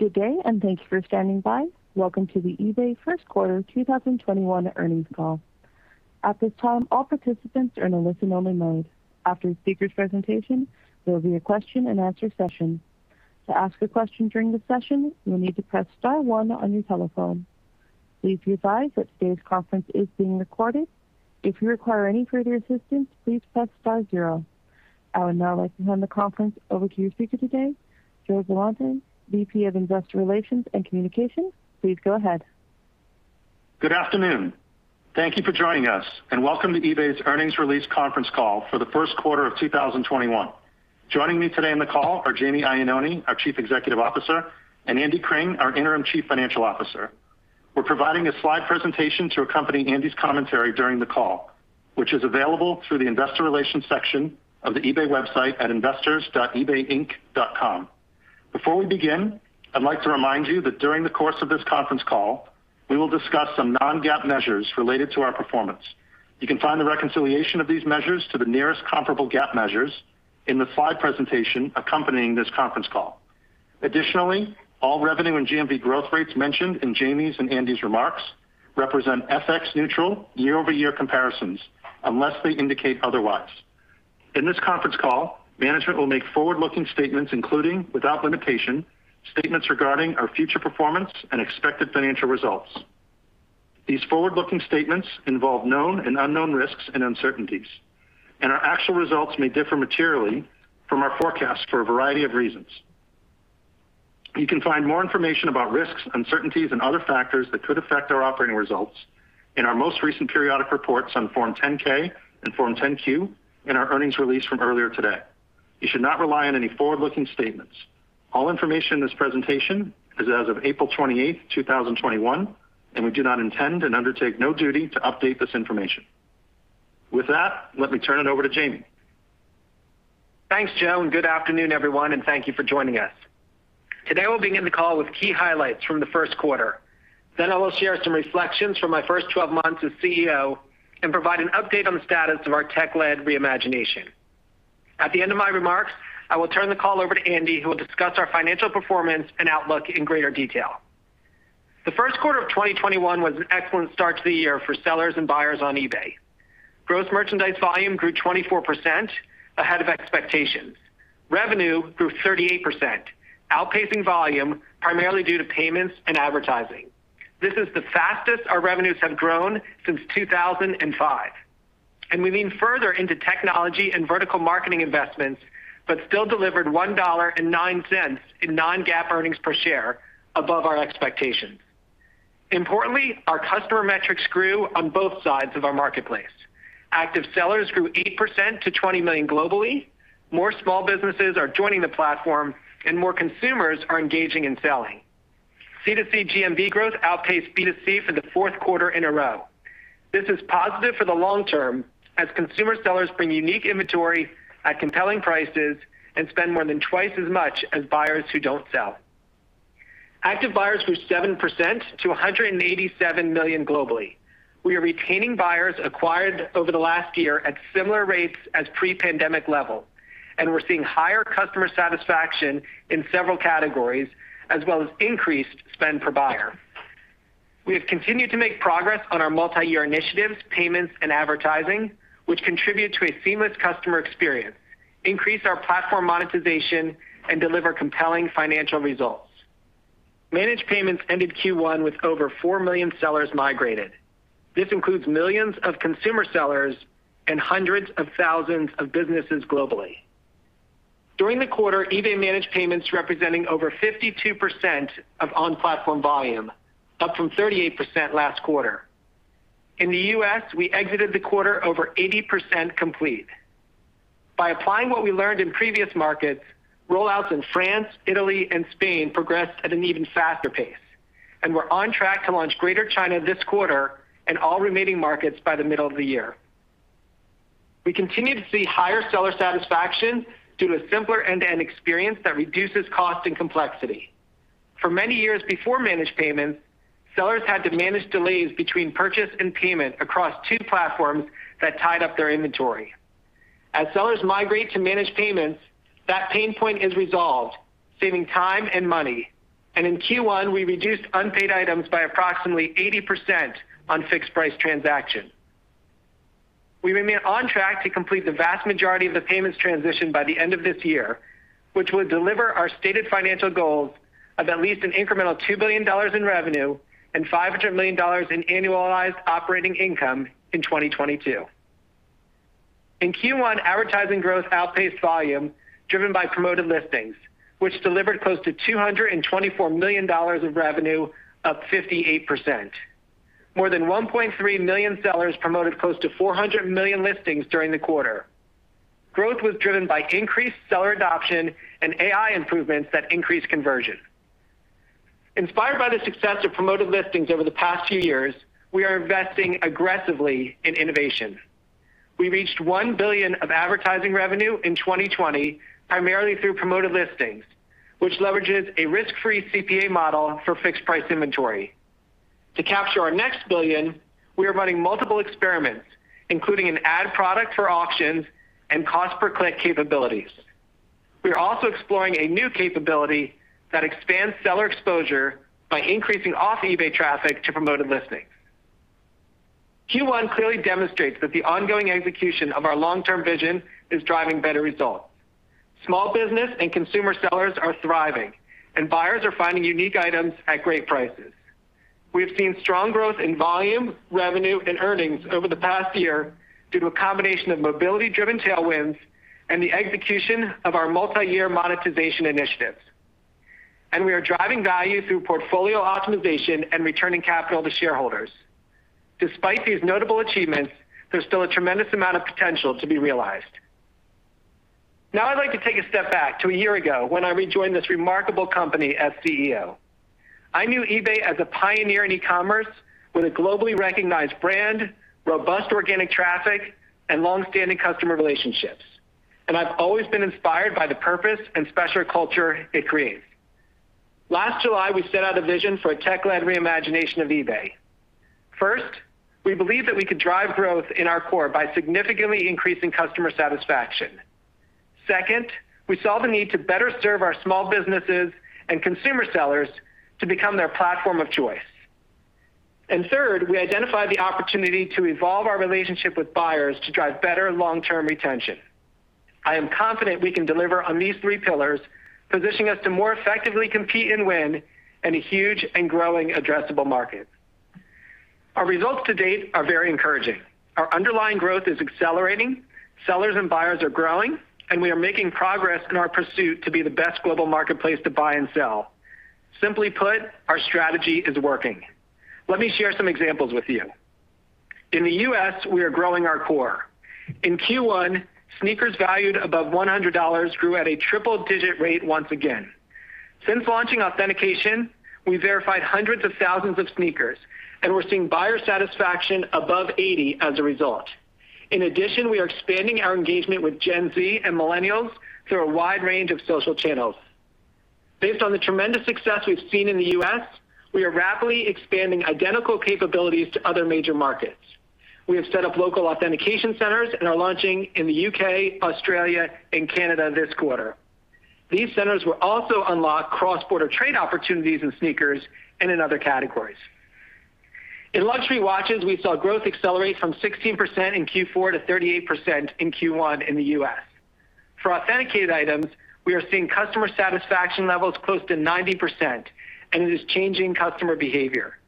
Good day, and thank you for standing by. Welcome to the eBay First Quarter 2021 Earnings Call. At this time, all participants are in a listen only mode. After the speaker's presentation, there will be a question-and-answer session. To ask a question during the session, you'll need to press star one on your telephone. Please be advised that today's conference is being recorded. If you require any further assistance, please press star zero. I would now like to hand the conference over to your speaker today, Joe Billante, VP of Investor Relations and Communications. Please go ahead. Good afternoon. Thank you for joining us, and welcome to eBay's earnings release conference call for the first quarter of 2021. Joining me today on the call are Jamie Iannone, our Chief Executive Officer, and Andy Cring, our Interim Chief Financial Officer. We're providing a slide presentation to accompany Andy's commentary during the call, which is available through the investor relations section of the eBay website at investors.ebayinc.com. Before we begin, I'd like to remind you that during the course of this conference call, we will discuss some non-GAAP measures related to our performance. You can find the reconciliation of these measures to the nearest comparable GAAP measures in the slide presentation accompanying this conference call. Additionally, all revenue and GMV growth rates mentioned in Jamie's and Andy's remarks represent FX neutral year-over-year comparisons, unless they indicate otherwise. In this conference call, management will make forward-looking statements including, without limitation, statements regarding our future performance and expected financial results. These forward-looking statements involve known and unknown risks and uncertainties, and our actual results may differ materially from our forecast for a variety of reasons. You can find more information about risks, uncertainties, and other factors that could affect our operating results in our most recent periodic reports on Form 10-K and Form 10-Q, and our earnings release from earlier today. You should not rely on any forward-looking statements. All information in this presentation is as of April 28th, 2021, and we do not intend and undertake no duty to update this information. With that, let me turn it over to Jamie. Thanks, Joe. Good afternoon, everyone, and thank you for joining us. Today we will begin the call with key highlights from the first quarter. I will share some reflections from my first 12 months as CEO and provide an update on the status of our tech-led reimagination. At the end of my remarks, I will turn the call over to Andy, who will discuss our financial performance and outlook in greater detail. The first quarter of 2021 was an excellent start to the year for sellers and buyers on eBay. Gross merchandise volume grew 24%, ahead of expectations. Revenue grew 38%, outpacing volume primarily due to payments and advertising. This is the fastest our revenues have grown since 2005. We lean further into technology and vertical marketing investments, but still delivered $1.09 in non-GAAP earnings per share above our expectations. Importantly, our customer metrics grew on both sides of our marketplace. Active sellers grew 8% to 20 million globally. More small businesses are joining the platform and more consumers are engaging in selling. C2C GMV growth outpaced B2C for the fourth quarter in a row. This is positive for the long term as consumer sellers bring unique inventory at compelling prices and spend more than twice as much as buyers who don't sell. Active buyers grew 7% to 187 million globally. We are retaining buyers acquired over the last year at similar rates as pre-pandemic level, and we're seeing higher customer satisfaction in several categories, as well as increased spend per buyer. We have continued to make progress on our multi-year initiatives, payments, and advertising, which contribute to a seamless customer experience, increase our platform monetization, and deliver compelling financial results. Managed Payments ended Q1 with over 4 million sellers migrated. This includes millions of consumer sellers and hundreds of thousands of businesses globally. During the quarter, eBay Managed Payments representing over 52% of on-platform volume, up from 38% last quarter. In the U.S., we exited the quarter over 80% complete. By applying what we learned in previous markets, rollouts in France, Italy, and Spain progressed at an even faster pace, and we're on track to launch Greater China this quarter and all remaining markets by the middle of the year. We continue to see higher seller satisfaction due to a simpler end-to-end experience that reduces cost and complexity. For many years before Managed Payments, sellers had to manage delays between purchase and payment across two platforms that tied up their inventory. As sellers migrate to Managed Payments, that pain point is resolved, saving time and money. In Q1, we reduced unpaid items by approximately 80% on fixed price transactions. We remain on track to complete the vast majority of the payments transition by the end of this year, which would deliver our stated financial goals of at least an incremental $2 billion in revenue and $500 million in annualized operating income in 2022. In Q1, advertising growth outpaced volume driven by promoted listings, which delivered close to $224 million of revenue, up 58%. More than 1.3 million sellers promoted close to 400 million listings during the quarter. Growth was driven by increased seller adoption and AI improvements that increased conversion. Inspired by the success of promoted listings over the past few years, we are investing aggressively in innovation. We reached $1 billion of advertising revenue in 2020, primarily through Promoted Listings, which leverages a risk-free CPA model for fixed price inventory. To capture our next $1 billion, we are running multiple experiments, including an ad product for auctions and cost per click capabilities. We are also exploring a new capability that expands seller exposure by increasing off-eBay traffic to Promoted Listings. Q1 clearly demonstrates that the ongoing execution of our long-term vision is driving better results. Small business and consumer sellers are thriving, and buyers are finding unique items at great prices. We've seen strong growth in volume, revenue, and earnings over the past year due to a combination of mobility-driven tailwinds and the execution of our multi-year monetization initiatives. We are driving value through portfolio optimization and returning capital to shareholders. Despite these notable achievements, there's still a tremendous amount of potential to be realized. Now I'd like to take a step back to a year ago when I rejoined this remarkable company as CEO. I knew eBay as a pioneer in e-commerce with a globally recognized brand, robust organic traffic, and long-standing customer relationships, and I've always been inspired by the purpose and special culture it creates. Last July, we set out a vision for a tech-led reimagination of eBay. First, we believe that we could drive growth in our core by significantly increasing customer satisfaction. Second, we saw the need to better serve our small businesses and consumer sellers to become their platform of choice. Third, we identified the opportunity to evolve our relationship with buyers to drive better long-term retention. I am confident we can deliver on these three pillars, positioning us to more effectively compete and win in a huge and growing addressable market. Our results to date are very encouraging. Our underlying growth is accelerating, sellers and buyers are growing, and we are making progress in our pursuit to be the best global marketplace to buy and sell. Simply put, our strategy is working. Let me share some examples with you. In the U.S., we are growing our core. In Q1, sneakers valued above $100 grew at a triple-digit rate once again. Since launching authentication, we verified hundreds of thousands of sneakers, and we're seeing buyer satisfaction above 80% as a result. In addition, we are expanding our engagement with Gen Z and millennials through a wide range of social channels. Based on the tremendous success we've seen in the U.S., we are rapidly expanding identical capabilities to other major markets. We have set up local authentication centers and are launching in the U.K., Australia, and Canada this quarter. These centers will also unlock cross-border trade opportunities in sneakers and in other categories. In luxury watches, we saw growth accelerate from 16% in Q4 to 38% in Q1 in the U.S. For authenticated items, we are seeing customer satisfaction levels close to 90%, and it is changing customer behavior.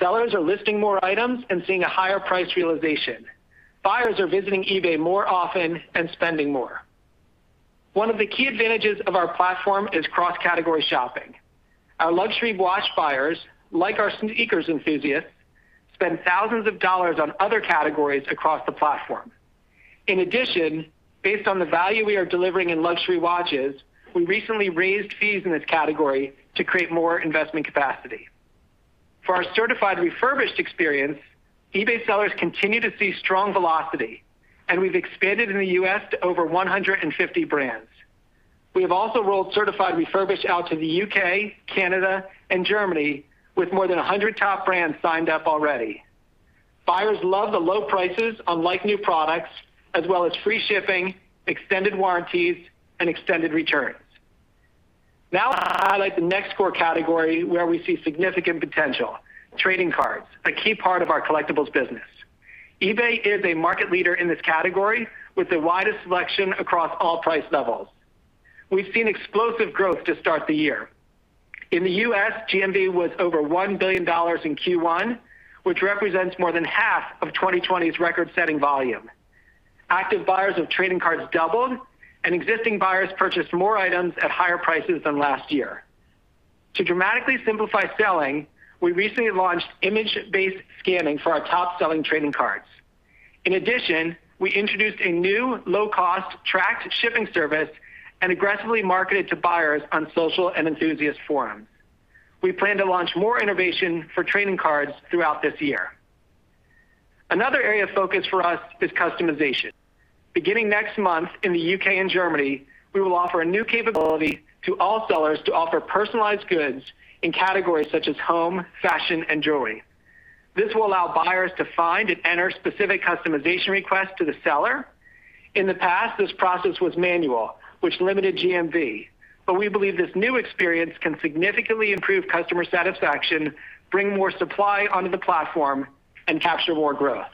Sellers are listing more items and seeing a higher price realization. Buyers are visiting eBay more often and spending more. One of the key advantages of our platform is cross-category shopping. Our luxury watch buyers, like our sneakers enthusiasts, spend thousands of dollars on other categories across the platform. In addition, based on the value we are delivering in luxury watches, we recently raised fees in this category to create more investment capacity. For our certified refurbished experience, eBay sellers continue to see strong velocity, and we've expanded in the U.S. to over 150 brands. We have also rolled certified refurbished out to the U.K., Canada, and Germany, with more than 100 top brands signed up already. Buyers love the low prices on like-new products, as well as free shipping, extended warranties, and extended returns. I'd like to highlight the next core category where we see significant potential, trading cards, a key part of our collectibles business. eBay is a market leader in this category with the widest selection across all price levels. We've seen explosive growth to start the year. In the U.S., GMV was over $1 billion in Q1, which represents more than half of 2020's record-setting volume. Active buyers of trading cards doubled. Existing buyers purchased more items at higher prices than last year. To dramatically simplify selling, we recently launched image-based scanning for our top-selling trading cards. In addition, we introduced a new low-cost tracked shipping service and aggressively marketed to buyers on social and enthusiast forums. We plan to launch more innovation for trading cards throughout this year. Another area of focus for us is customization. Beginning next month in the U.K. and Germany, we will offer a new capability to all sellers to offer personalized goods in categories such as home, fashion, and jewelry. This will allow buyers to find and enter specific customization requests to the seller. In the past, this process was manual, which limited GMV. We believe this new experience can significantly improve customer satisfaction, bring more supply onto the platform, and capture more growth.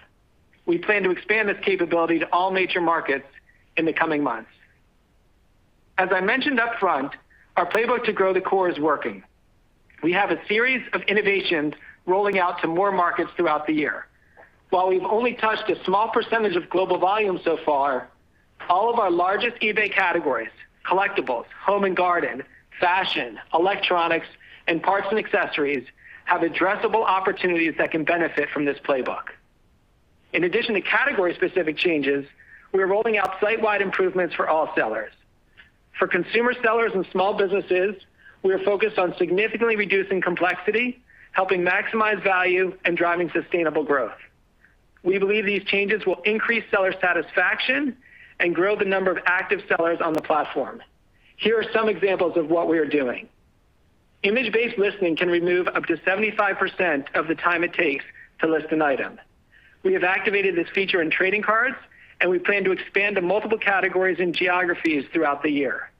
We plan to expand this capability to all major markets in the coming months. As I mentioned upfront, our playbook to grow the core is working. We have a series of innovations rolling out to more markets throughout the year. While we've only touched a small percentage of global volume so far, all of our largest eBay categories, collectibles, home and garden, fashion, electronics, and parts and accessories, have addressable opportunities that can benefit from this playbook. In addition to category-specific changes, we are rolling out site-wide improvements for all sellers. For consumer sellers and small businesses, we are focused on significantly reducing complexity, helping maximize value, and driving sustainable growth. We believe these changes will increase seller satisfaction and grow the number of active sellers on the platform. Here are some examples of what we are doing. Image-based listing can remove up to 75% of the time it takes to list an item. We have activated this feature in trading cards, and we plan to expand to multiple categories and geographies throughout the year.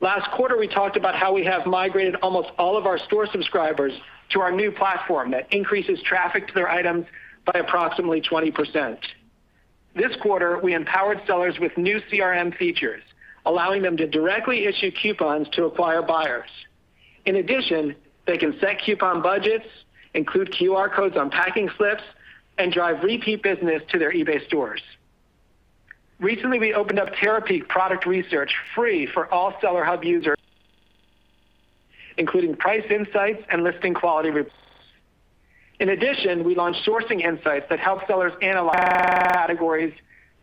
Last quarter, we talked about how we have migrated almost all of our store subscribers to our new platform that increases traffic to their items by approximately 20%. This quarter, we empowered sellers with new CRM features, allowing them to directly issue coupons to acquire buyers. They can set coupon budgets, include QR codes on packing slips, and drive repeat business to their eBay stores. Recently, we opened up Terapeak product research free for all Seller Hub users, including price insights and listing quality reports. We launched Sourcing Insights that help sellers analyze categories,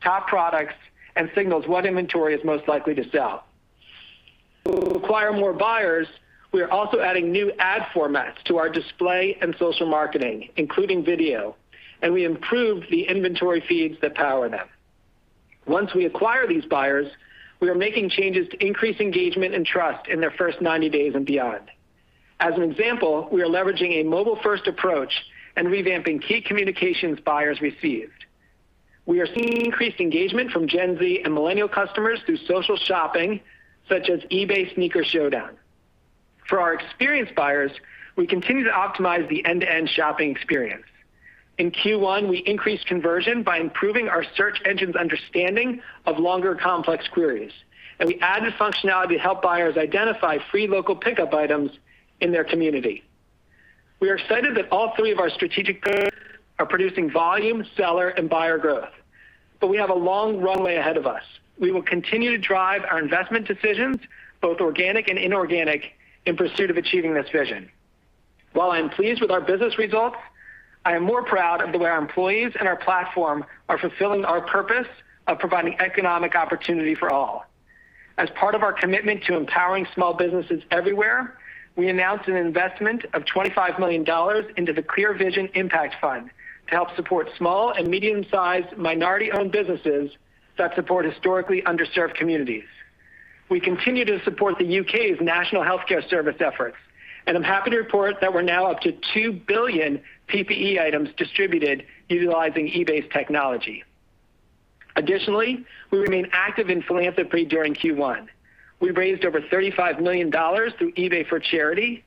top products, and signals what inventory is most likely to sell. To acquire more buyers, we are also adding new ad formats to our display and social marketing, including video, and we improved the inventory feeds that power them. Once we acquire these buyers, we are making changes to increase engagement and trust in their first 90 days and beyond. As an example, we are leveraging a mobile-first approach and revamping key communications buyers received. We are seeing increased engagement from Gen Z and millennial customers through social shopping, such as eBay Sneaker Showdown. For our experienced buyers, we continue to optimize the end-to-end shopping experience. In Q1, we increased conversion by improving our search engine's understanding of longer, complex queries, and we added functionality to help buyers identify free local pickup items in their community. We are excited that all three of our strategic pillars are producing volume, seller, and buyer growth, but we have a long runway ahead of us. We will continue to drive our investment decisions, both organic and inorganic, in pursuit of achieving this vision. While I'm pleased with our business results, I am more proud of the way our employees and our platform are fulfilling our purpose of providing economic opportunity for all. As part of our commitment to empowering small businesses everywhere, we announced an investment of $25 million into the Clear Vision Impact Fund to help support small and medium-sized minority-owned businesses that support historically underserved communities. We continue to support the U.K.'s National Health Service efforts, and I'm happy to report that we're now up to 2 billion PPE items distributed utilizing eBay's technology. Additionally, we remain active in philanthropy during Q1. We raised over $35 million through eBay for Charity.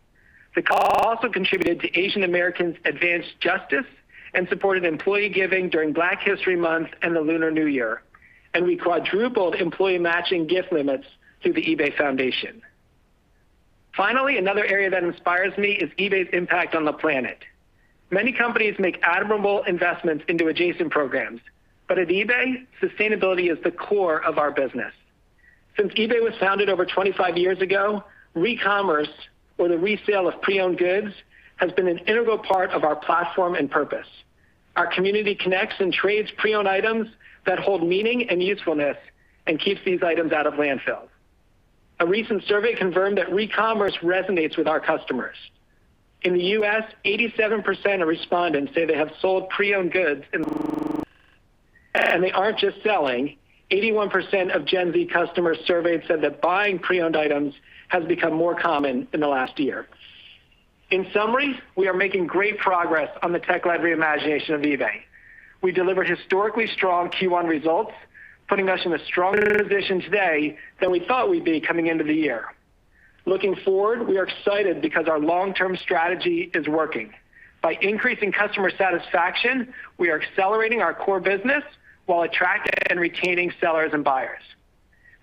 The call also contributed to Asian Americans Advancing Justice and supported employee giving during Black History Month and the Lunar New Year, and we quadrupled employee matching gift limits through the eBay Foundation. Finally, another area that inspires me is eBay's impact on the planet. Many companies make admirable investments into adjacent programs, but at eBay, sustainability is the core of our business. Since eBay was founded over 25 years ago, recommerce, or the resale of pre-owned goods, has been an integral part of our platform and purpose. Our community connects and trades pre-owned items that hold meaning and usefulness and keeps these items out of landfills. A recent survey confirmed that recommerce resonates with our customers. In the U.S., 87% of respondents say they have sold pre-owned goods in the last year, and they aren't just selling. 81% of Gen Z customers surveyed said that buying pre-owned items has become more common in the last year. In summary, we are making great progress on the tech-led reimagination of eBay. We delivered historically strong Q1 results, putting us in a stronger position today than we thought we'd be coming into the year. Looking forward, we are excited because our long-term strategy is working. By increasing customer satisfaction, we are accelerating our core business while attracting and retaining sellers and buyers.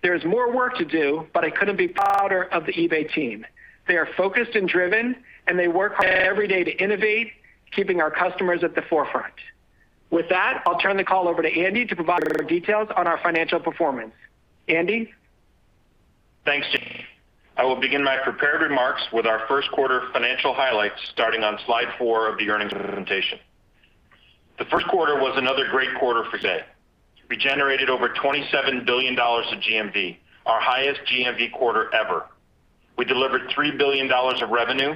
There's more work to do, but I couldn't be prouder of the eBay team. They are focused and driven, and they work hard every day to innovate, keeping our customers at the forefront. With that, I'll turn the call over to Andy to provide further details on our financial performance. Andy? Thanks, Jamie. I will begin my prepared remarks with our first quarter financial highlights, starting on slide four of the earnings presentation. The first quarter was another great quarter for eBay. We generated over $27 billion of GMV, our highest GMV quarter ever. We delivered $3 billion of revenue,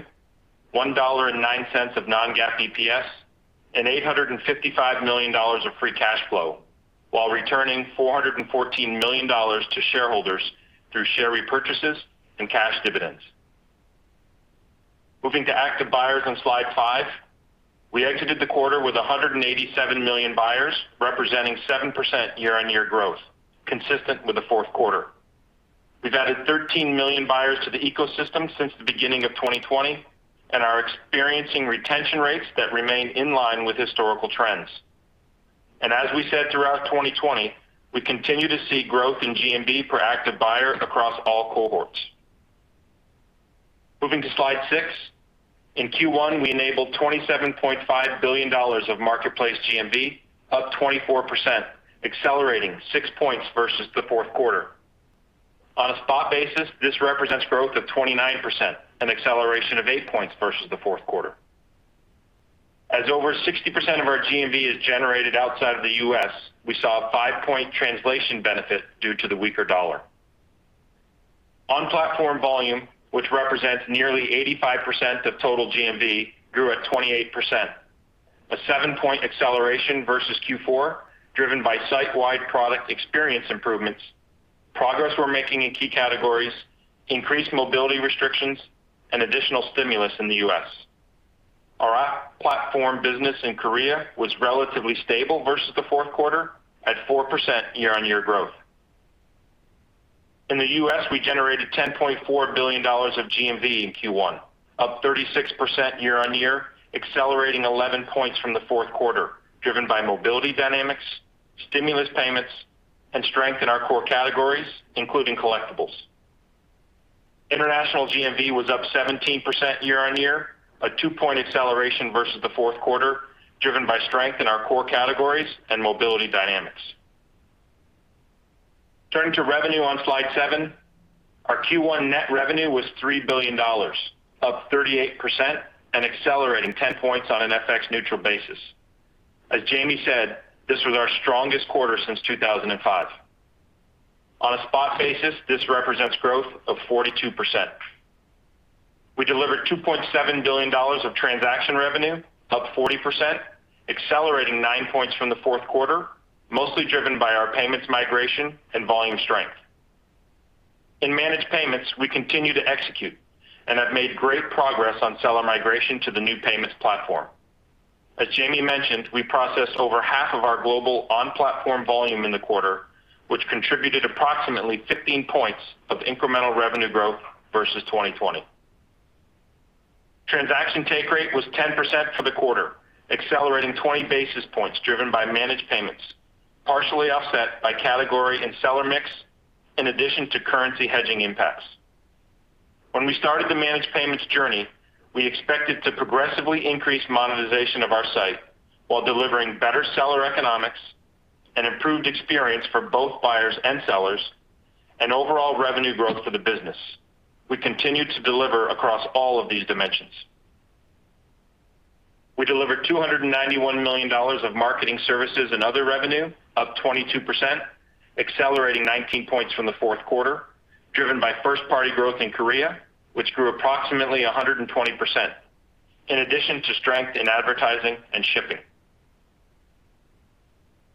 $1.09 of non-GAAP EPS, and $855 million of free cash flow while returning $414 million to shareholders through share repurchases and cash dividends. Moving to active buyers on slide five, we exited the quarter with 187 million buyers, representing 7% year-on-year growth, consistent with the fourth quarter. We've added 13 million buyers to the ecosystem since the beginning of 2020 and are experiencing retention rates that remain in line with historical trends. As we said throughout 2020, we continue to see growth in GMV per active buyer across all cohorts. Moving to slide six, in Q1, we enabled $27.5 billion of marketplace GMV, up 24%, accelerating six points versus the fourth quarter. On a spot basis, this represents growth of 29%, an acceleration of eight points versus the fourth quarter. As over 60% of our GMV is generated outside of the U.S., we saw a five point translation benefit due to the weaker dollar. On-platform volume, which represents nearly 85% of total GMV, grew at 28%, a seven-point acceleration versus Q4, driven by site-wide product experience improvements, progress we're making in key categories, increased mobility restrictions, and additional stimulus in the U.S. Our off-platform business in Korea was relatively stable versus the fourth quarter, at 4% year-on-year growth. In the U.S., we generated $10.4 billion of GMV in Q1, up 36% year-on-year, accelerating 11 points from the fourth quarter, driven by mobility dynamics, stimulus payments, and strength in our core categories, including collectibles. International GMV was up 17% year-on-year, a two point acceleration versus the fourth quarter, driven by strength in our core categories and mobility dynamics. Turning to revenue on slide seven, our Q1 net revenue was $3 billion, up 38% and accelerating 10 points on an FX neutral basis. As Jamie said, this was our strongest quarter since 2005. On a spot basis, this represents growth of 42%. We delivered $2.7 billion of transaction revenue, up 40%, accelerating nine points from the fourth quarter, mostly driven by our payments migration and volume strength. In managed payments, we continue to execute and have made great progress on seller migration to the new payments platform. As Jamie mentioned, we processed over half of our global on-platform volume in the quarter, which contributed approximately 15 points of incremental revenue growth versus 2020. Transaction take rate was 10% for the quarter, accelerating 20 basis points driven by managed payments, partially offset by category and seller mix, in addition to currency hedging impacts. When we started the managed payments journey, we expected to progressively increase monetization of our site while delivering better seller economics, an improved experience for both buyers and sellers, and overall revenue growth for the business. We continue to deliver across all of these dimensions. We delivered $291 million of marketing services and other revenue, up 22%, accelerating 19 points from the fourth quarter, driven by first-party growth in Korea, which grew approximately 120%, in addition to strength in advertising and shipping.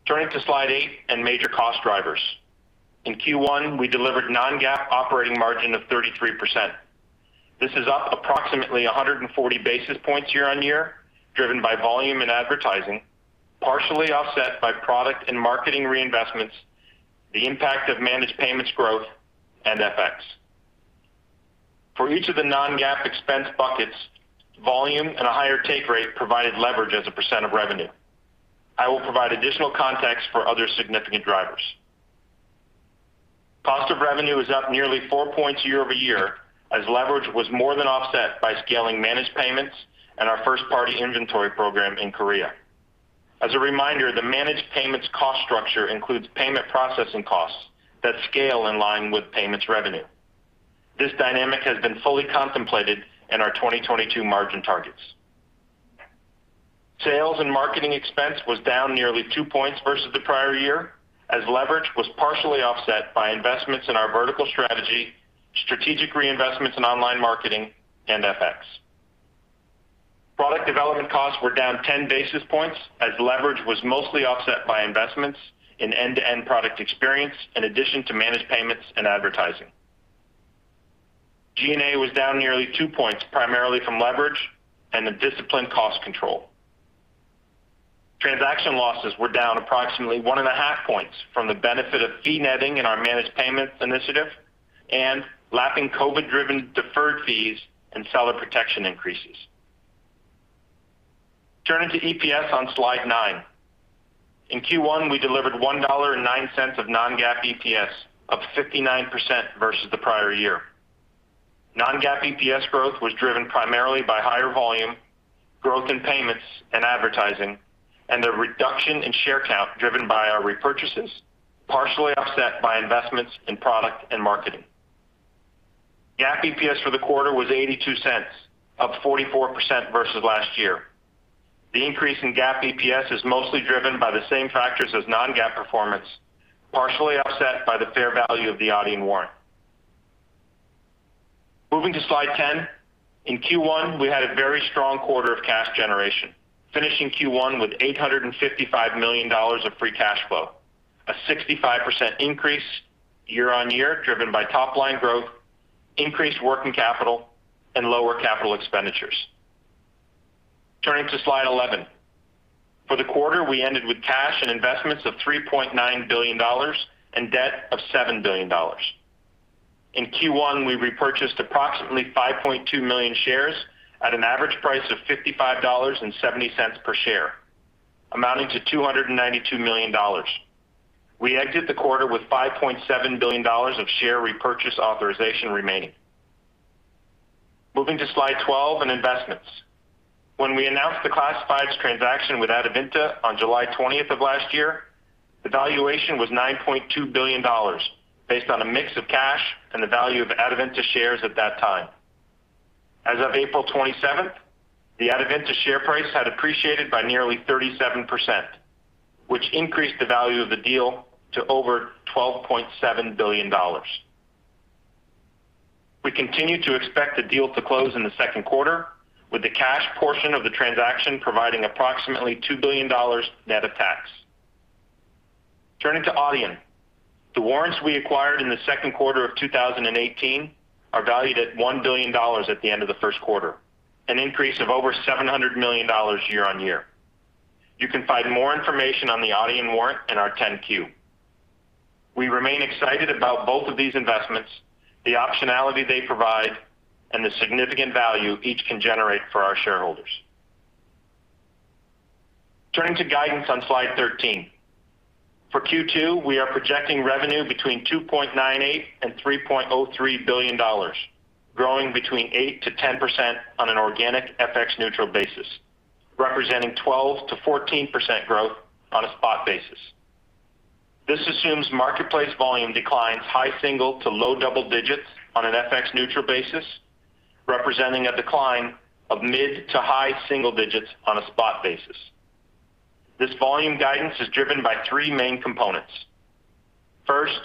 Turning to slide eight and major cost drivers. In Q1, we delivered non-GAAP operating margin of 33%. This is up approximately 140 basis points year-on-year, driven by volume and advertising, partially offset by product and marketing reinvestments, the impact of managed payments growth, and FX. For each of the non-GAAP expense buckets, volume and a higher take rate provided leverage as a % of revenue. I will provide additional context for other significant drivers. Cost of revenue is up nearly four points year-over-year, as leverage was more than offset by scaling managed payments and our first-party inventory program in Korea. As a reminder, the managed payments cost structure includes payment processing costs that scale in line with payments revenue. This dynamic has been fully contemplated in our 2022 margin targets. Sales and marketing expense was down nearly two points versus the prior year, as leverage was partially offset by investments in our vertical strategy, strategic reinvestments in online marketing, FX. Product development costs were down 10 basis points as leverage was mostly offset by investments in end-to-end product experience in addition to managed payments and advertising. G&A was down nearly two points, primarily from leverage and the disciplined cost control. Transaction losses were down approximately 1.5 points from the benefit of fee netting in our managed payments initiative and lapping COVID-driven deferred fees and seller protection increases. Turning to EPS on slide nine. In Q1, we delivered $1.09 of non-GAAP EPS, up 59% versus the prior year. Non-GAAP EPS growth was driven primarily by higher volume, growth in payments and advertising, and the reduction in share count driven by our repurchases, partially offset by investments in product and marketing. GAAP EPS for the quarter was $0.82, up 44% versus last year. The increase in GAAP EPS is mostly driven by the same factors as non-GAAP performance, partially offset by the fair value of the Adyen warrant. Moving to slide 10. In Q1, we had a very strong quarter of cash generation, finishing Q1 with $855 million of free cash flow, a 65% increase year-on-year driven by top-line growth, increased working capital, and lower capital expenditures. Turning to slide 11. For the quarter, we ended with cash and investments of $3.9 billion and debt of $7 billion. In Q1, we repurchased approximately 5.2 million shares at an average price of $55.70 per share, amounting to $292 million. We exit the quarter with $5.7 billion of share repurchase authorization remaining. Moving to slide 12 and investments. When we announced the classifieds transaction with Adevinta on July 20th of last year, the valuation was $9.2 billion based on a mix of cash and the value of Adevinta shares at that time. As of April 27th, the Adevinta share price had appreciated by nearly 37%, which increased the value of the deal to over $12.7 billion. We continue to expect the deal to close in the second quarter, with the cash portion of the transaction providing approximately $2 billion net of tax. Turning to Adyen. The warrants we acquired in the second quarter of 2018 are valued at $1 billion at the end of the first quarter, an increase of over $700 million year-on-year. You can find more information on the Adyen warrant in our 10-Q. We remain excited about both of these investments, the optionality they provide, and the significant value each can generate for our shareholders. Turning to guidance on slide 13. For Q2, we are projecting revenue between $2.98 billion and $3.03 billion, growing between 8%-10% on an organic FX neutral basis, representing 12%-14% growth on a spot basis. This assumes marketplace volume declines high single to low double digits on an FX neutral basis, representing a decline of mid to high single digits on a spot basis. This volume guidance is driven by three main components. First,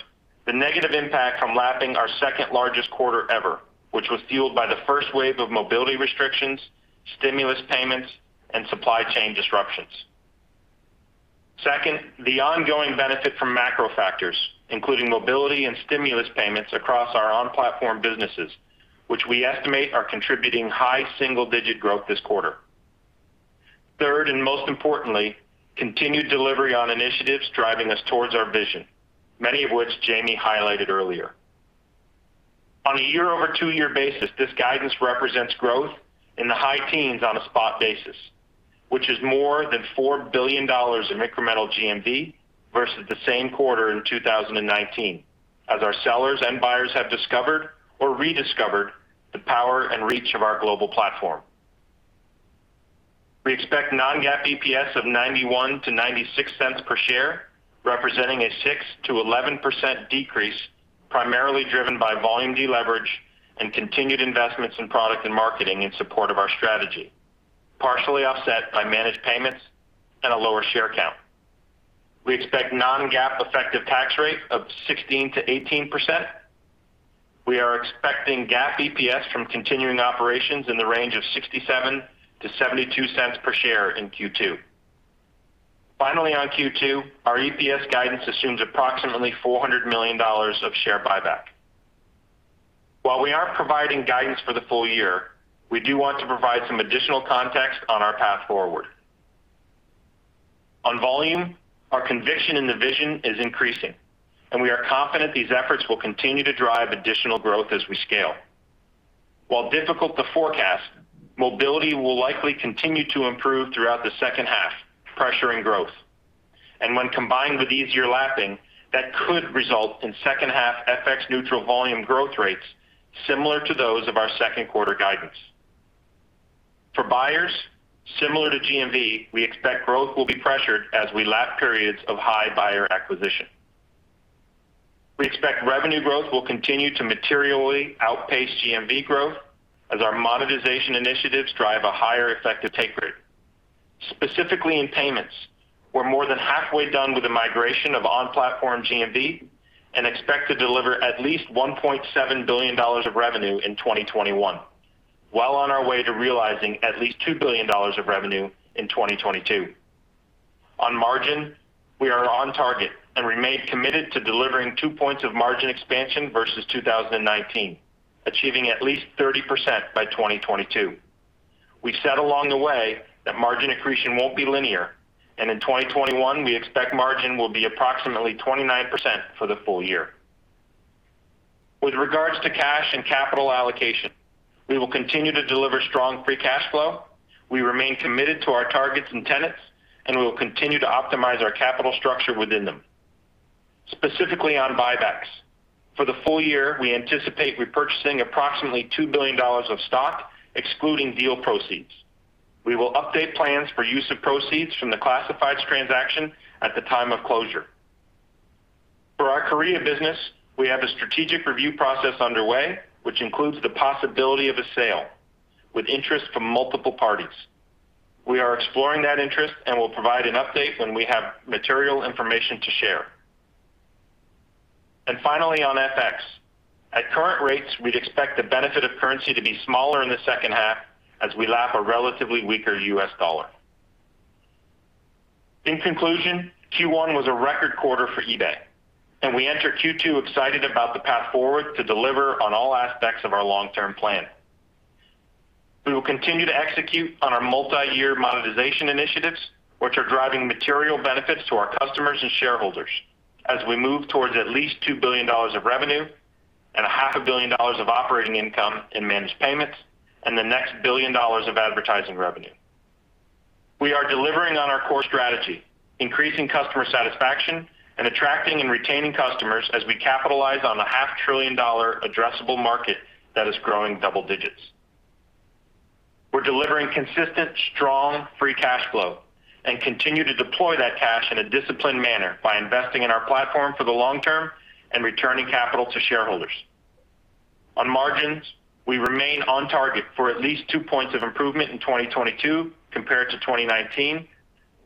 the negative impact from lapping our second-largest quarter ever, which was fueled by the first wave of mobility restrictions, stimulus payments, and supply chain disruptions. Second, the ongoing benefit from macro factors, including mobility and stimulus payments across our on-platform businesses, which we estimate are contributing high single-digit growth this quarter. Third, most importantly, continued delivery on initiatives driving us towards our vision, many of which Jamie highlighted earlier. On a year over two-year basis, this guidance represents growth in the high teens on a spot basis, which is more than $4 billion in incremental GMV versus the same quarter in 2019, as our sellers and buyers have discovered or rediscovered the power and reach of our global platform. We expect non-GAAP EPS of $0.91-$0.96 per share, representing a 6%-11% decrease, primarily driven by volume deleverage and continued investments in product and marketing in support of our strategy, partially offset by managed payments and a lower share count. We expect non-GAAP effective tax rate of 16%-18%. We are expecting GAAP EPS from continuing operations in the range of $0.67-$0.72 per share in Q2. On Q2, our EPS guidance assumes approximately $400 million of share buyback. While we aren't providing guidance for the full-year, we do want to provide some additional context on our path forward. On volume, our conviction in the vision is increasing, and we are confident these efforts will continue to drive additional growth as we scale. While difficult to forecast, mobility will likely continue to improve throughout the second half, pressuring growth. When combined with easier lapping, that could result in second-half FX neutral volume growth rates similar to those of our second quarter guidance. For buyers, similar to GMV, we expect growth will be pressured as we lap periods of high buyer acquisition. We expect revenue growth will continue to materially outpace GMV growth as our monetization initiatives drive a higher effective take rate. Specifically in payments, we're more than halfway done with the migration of on-platform GMV and expect to deliver at least $1.7 billion of revenue in 2021, well on our way to realizing at least $2 billion of revenue in 2022. On margin, we are on target and remain committed to delivering two points of margin expansion versus 2019, achieving at least 30% by 2022. We've said along the way that margin accretion won't be linear. In 2021, we expect margin will be approximately 29% for the full-year. With regards to cash and capital allocation, we will continue to deliver strong free cash flow. We remain committed to our targets and tenets. We will continue to optimize our capital structure within them. Specifically on buybacks, for the full-year, we anticipate repurchasing approximately $2 billion of stock, excluding deal proceeds. We will update plans for use of proceeds from the Classifieds transaction at the time of closure. For our Korea business, we have a strategic review process underway, which includes the possibility of a sale, with interest from multiple parties. We are exploring that interest and will provide an update when we have material information to share. Finally, on FX. At current rates, we'd expect the benefit of currency to be smaller in the second half as we lap a relatively weaker U.S. dollar. In conclusion, Q1 was a record quarter for eBay, and we enter Q2 excited about the path forward to deliver on all aspects of our long-term plan. We will continue to execute on our multi-year monetization initiatives, which are driving material benefits to our customers and shareholders as we move towards at least $2 billion of revenue and a half a billion dollars of operating income in managed payments and the next $1 billion of advertising revenue. We are delivering on our core strategy, increasing customer satisfaction, and attracting and retaining customers as we capitalize on the half trillion-dollar addressable market that is growing double digits. We're delivering consistent, strong, free cash flow and continue to deploy that cash in a disciplined manner by investing in our platform for the long term and returning capital to shareholders. On margins, we remain on target for at least two points of improvement in 2022 compared to 2019,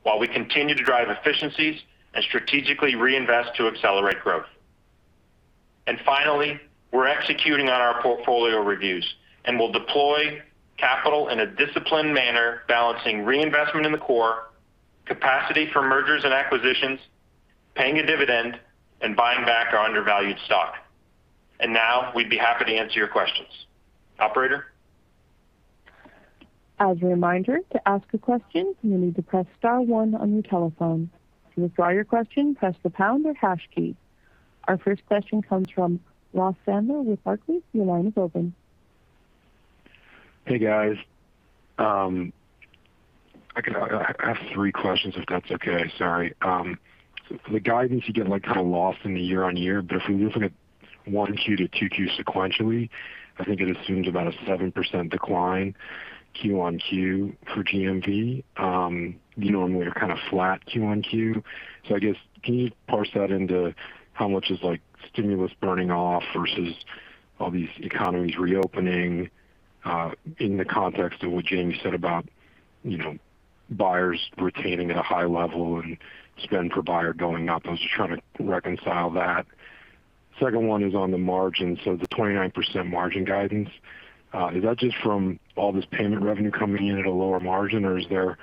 while we continue to drive efficiencies and strategically reinvest to accelerate growth. Finally, we're executing on our portfolio reviews, and we'll deploy capital in a disciplined manner, balancing reinvestment in the core, capacity for mergers and acquisitions, paying a dividend, and buying back our undervalued stock. Now we'd be happy to answer your questions. Operator? As a reminder, to ask a question, you'll need to press star one on your telephone. To withdraw your question, press the star or hash key. Our first question comes from Ross Sandler with Barclays. Your line is open. Hey, guys. I have three questions, if that's okay. Sorry. For the guidance, you get kind of lost in the year-on-year, but if we're looking at 1-Q to 2-Q sequentially, I think it assumes about a 7% decline QoQ for GMV. You normally are kind of flat QoQ. I guess, can you parse that into how much is stimulus burning off versus all these economies reopening, in the context of what Jamie said about buyers retaining at a high level and spend per buyer going up? I was just trying to reconcile that. Second one is on the margin, so the 29% margin guidance. Is that just from all this payment revenue coming in at a lower margin, or is there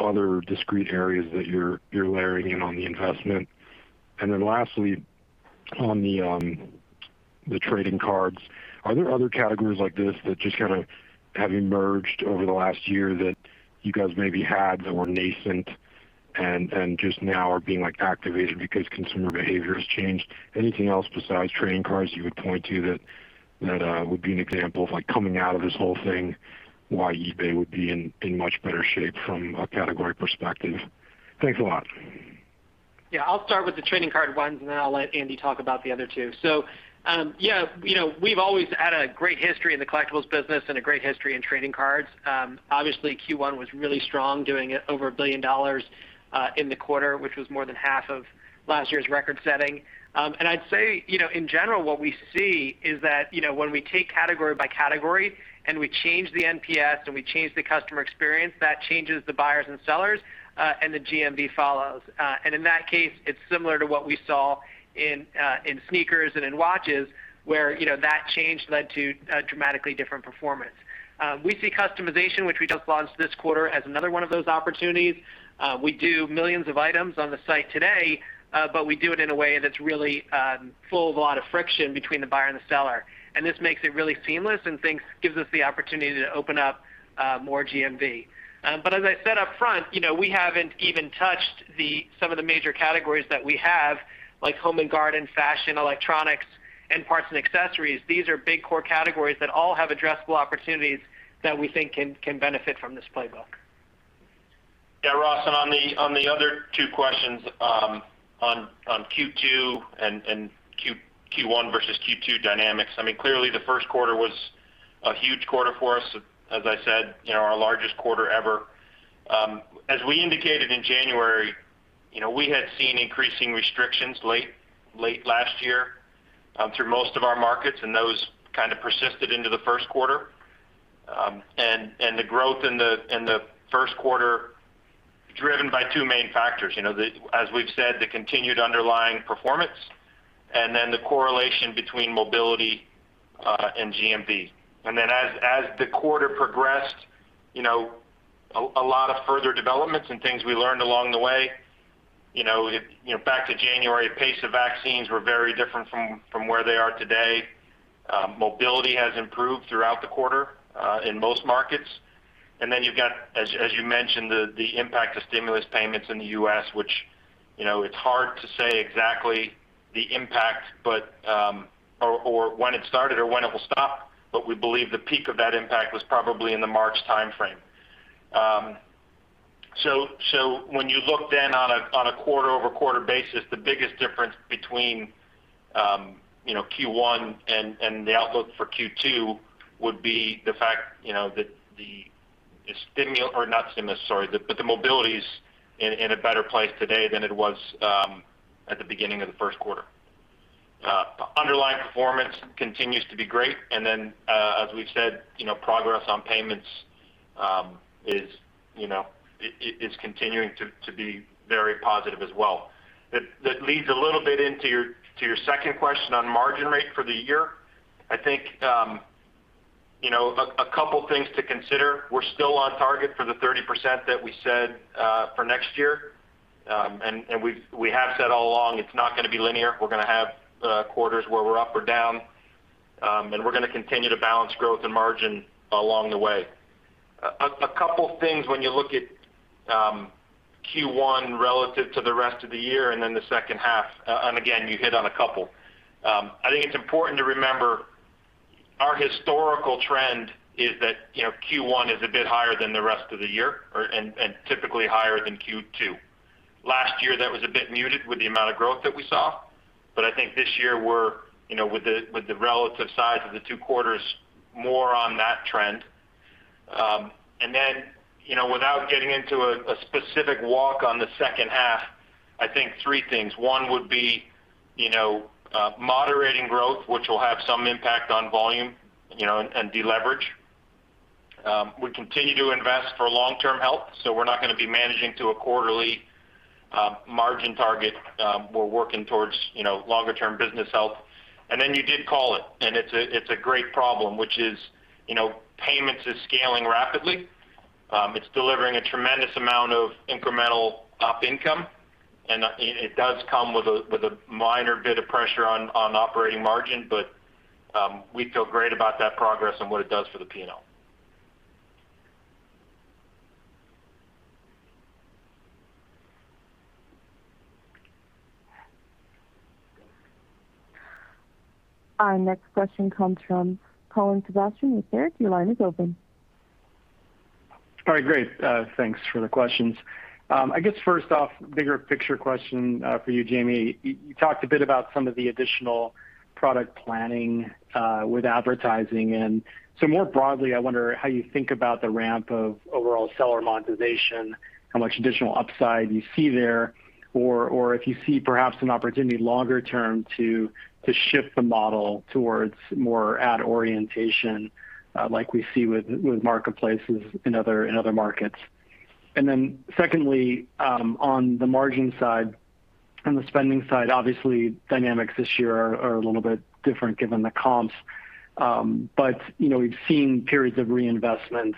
other discrete areas that you're layering in on the investment? Lastly, on the trading cards, are there other categories like this that just kind of have emerged over the last year that you guys maybe had that were nascent and just now are being activated because consumer behavior has changed? Anything else besides trading cards you would point to that would be an example of coming out of this whole thing, why eBay would be in much better shape from a category perspective? Thanks a lot. Yeah, I'll start with the trading card one, and then I'll let Andy talk about the other two. We've always had a great history in the collectibles business and a great history in trading cards. Obviously, Q1 was really strong, doing over $1 billion in the quarter, which was more than half of last year's record-setting. I'd say, in general, what we see is that when we take category by category and we change the NPS and we change the customer experience, that changes the buyers and sellers, and the GMV follows. In that case, it's similar to what we saw in sneakers and in watches, where that change led to a dramatically different performance. We see customization, which we just launched this quarter, as another one of those opportunities. We do millions of items on the site today, we do it in a way that's really full of a lot of friction between the buyer and the seller. This makes it really seamless and gives us the opportunity to open up more GMV. As I said up front, we haven't even touched some of the major categories that we have, like home and garden, fashion, electronics, and parts and accessories. These are big core categories that all have addressable opportunities that we think can benefit from this playbook. Yeah, Ross, on the other two questions, on Q2 and Q1 versus Q2 dynamics, clearly the first quarter was a huge quarter for us, as I said, our largest quarter ever. As we indicated in January, we had seen increasing restrictions late last year through most of our markets, and those kind of persisted into the first quarter. The growth in the first quarter, driven by two main factors. As we've said, the continued underlying performance, and then the correlation between mobility and GMV. As the quarter progressed, a lot of further developments and things we learned along the way. Back to January, pace of vaccines were very different from where they are today. Mobility has improved throughout the quarter in most markets. You've got, as you mentioned, the impact of stimulus payments in the U.S., which it's hard to say exactly the impact or when it started or when it will stop, but we believe the peak of that impact was probably in the March timeframe. When you look then on a quarter-over-quarter basis, the biggest difference between Q1 and the outlook for Q2 would be the fact that the mobility's in a better place today than it was at the beginning of the first quarter. Underlying performance continues to be great, and then, as we've said, progress on payments is continuing to be very positive as well. That leads a little bit into your second question on margin rate for the year. I think a couple things to consider. We're still on target for the 30% that we said for next year. We have said all along it's not going to be linear. We're going to have quarters where we're up or down, and we're going to continue to balance growth and margin along the way. A couple things when you look at Q1 relative to the rest of the year and then the second half, and again, you hit on a couple. I think it's important to remember our historical trend is that Q1 is a bit higher than the rest of the year, and typically higher than Q2. Last year, that was a bit muted with the amount of growth that we saw, but I think this year, with the relative size of the two quarters, more on that trend. Without getting into a specific walk on the second half, I think three things. One would be moderating growth, which will have some impact on volume and de-leverage. We continue to invest for long-term health, so we're not going to be managing to a quarterly margin target. We're working towards longer-term business health. You did call it, and it's a great problem, which is payments is scaling rapidly. It's delivering a tremendous amount of incremental op income, and it does come with a minor bit of pressure on operating margin, but we feel great about that progress and what it does for the P&L. Our next question comes from Colin Sebastian with Baird. Your line is open. All right, great. Thanks for the questions. I guess first off, bigger picture question for you, Jamie. You talked a bit about some of the additional product planning with advertising. More broadly, I wonder how you think about the ramp of overall seller monetization, how much additional upside you see there, or if you see perhaps an opportunity longer term to shift the model towards more ad orientation, like we see with marketplaces in other markets. Secondly, on the margin side and the spending side, obviously dynamics this year are a little bit different given the comps. We've seen periods of reinvestment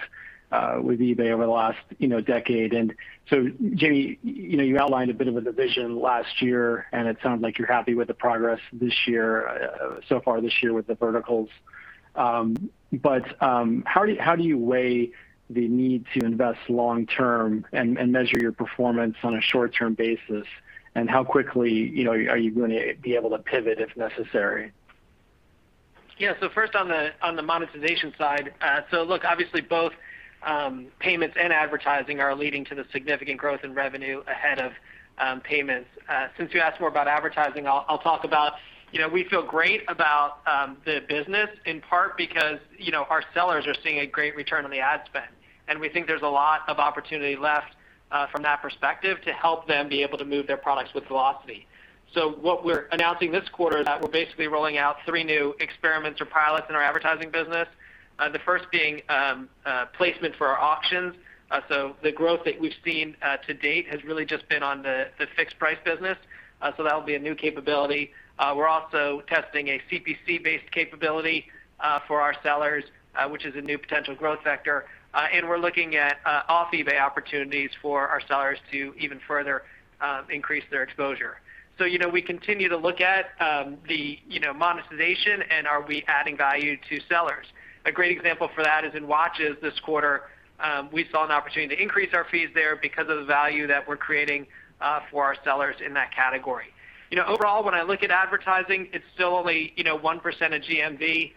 with eBay over the last decade. Jamie, you outlined a bit of a division last year, and it sounds like you're happy with the progress so far this year with the verticals. How do you weigh the need to invest long term and measure your performance on a short-term basis? How quickly are you going to be able to pivot if necessary? First on the monetization side. Look, obviously both payments and advertising are leading to the significant growth in revenue ahead of payments. Since you asked more about advertising, I'll talk about, we feel great about the business, in part because our sellers are seeing a great return on the ad spend. We think there's a lot of opportunity left from that perspective to help them be able to move their products with velocity. What we're announcing this quarter that we're basically rolling out three new experiments or pilots in our advertising business. The first being placement for our auctions. The growth that we've seen to date has really just been on the fixed price business. That'll be a new capability. We're also testing a CPC-based capability for our sellers, which is a new potential growth sector. We're looking at off-eBay opportunities for our sellers to even further increase their exposure. We continue to look at the monetization and are we adding value to sellers. A great example for that is in watches this quarter, we saw an opportunity to increase our fees there because of the value that we're creating for our sellers in that category. Overall, when I look at advertising, it's still only 1% of GMV.